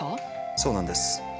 そうなんです。